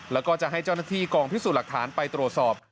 แล้วก็จะให้เจ้าหน้าที่กองพิสูจน์หลักฐานไปตรวจสอบ